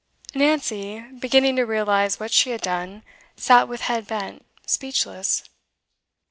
Nancy, beginning to realise what she had done, sat with head bent, speechless.